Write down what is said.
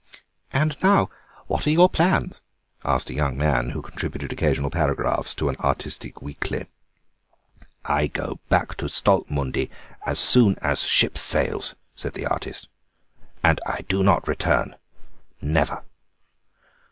"And now what are your plans?" asked a young man who contributed occasional paragraphs to an artistic weekly. "I go back to Stolpmünde as soon as the ship sails," said the artist, "and I do not return. Never."